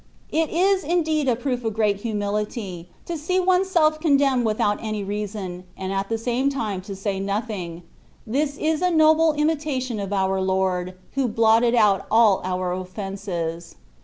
It is indeed a proof of great humihty, to see one's self condemned without any reason, and at the same time to say nothing ; this is a noble imitation of our Lord, who blotted out all our offences.